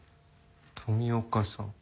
富岡さん。